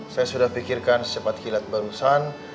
saya sudah pikirkan secepat kilat barusan